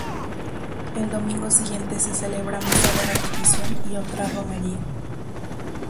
Al domingo siguiente se celebra misa de repetición y otra romería.